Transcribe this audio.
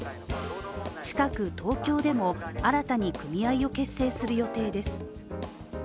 近く、東京でも新たに組合を結成する予定です。